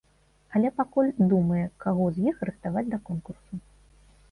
Але пакуль думае, каго з іх рыхтаваць да конкурсу.